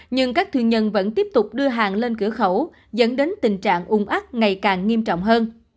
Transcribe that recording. nhưng các thương nhân vẫn tiếp tục đưa hàng lên cửa khẩu dẫn đến tình trạng ung ắt ngày càng nghiêm trọng hơn